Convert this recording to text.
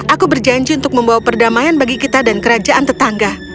aku berjanji untuk membawa perdamaian bagi kita dan kerajaan tetangga